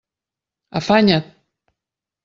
Afanya't!